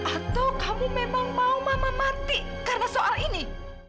atau kamu memang mau mama mati karena soal ini